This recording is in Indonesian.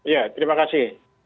ya terima kasih